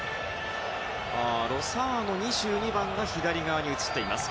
ロサーノ、２２番が左に移っています。